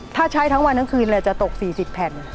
ถ้าใช้ทั้งวันทั้งคืนเลยจะตก๔๐แผ่น